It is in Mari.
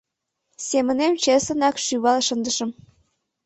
Семынем чеслынак шӱвал шындышым.